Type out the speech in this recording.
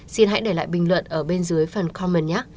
xin hãy để lại bình luận ở bên dưới phần comment nhé